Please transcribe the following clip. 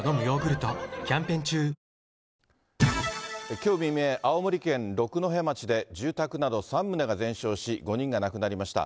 きょう未明、青森県六戸町で住宅など３棟が全焼し、５人が亡くなりました。